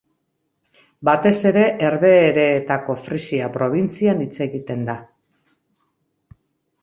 Batez ere Herbehereetako Frisia probintzian hitz egiten da.